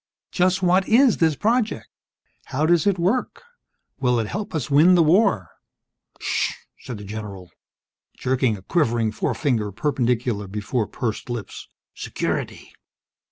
"Just what is this project? How does it work? Will it help us win the war?" "Sssh!" said the general, jerking a quivering forefinger perpendicular before pursed lips. "Security!"